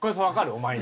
お前に。